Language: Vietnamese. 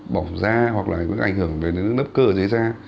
bỏng da hoặc là có ảnh hưởng về lớp cơ ở dưới da